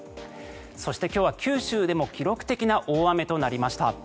そして今日は九州でも記録的な大雨となりました。